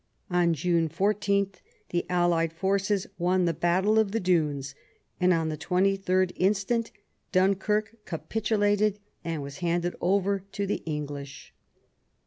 On June 14 the allied forces won the battle of the Dunes, and on the 23rd instant Dunkirk capitu lated and was handed over to the English.